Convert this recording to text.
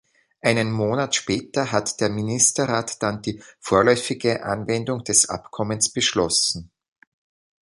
Einen Monat später hat der Ministerrat dann die vorläufige Anwendung des Abkommens beschlossen.